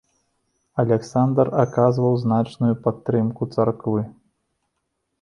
Аляксандр аказваў значную падтрымку царквы.